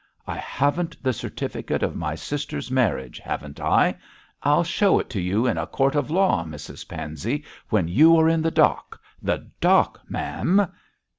'I haven't the certificate of my sister's marriage haven't I? I'll show it to you in a court of law, Mrs Pansey, when you are in the dock the dock, ma'am!'